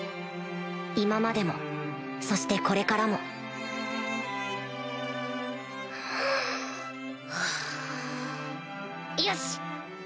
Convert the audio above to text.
今までもそしてこれからもよし！